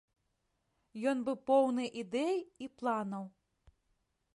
Ён быў поўны ідэй і планаў.